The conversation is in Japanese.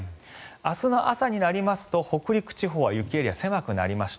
明日の朝になりますと北陸地方は雪エリアが狭くなりました。